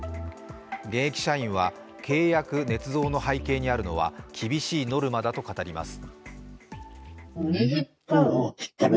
現役社員は、契約ねつ造の背景にあるのは厳しいノルマだと語ります。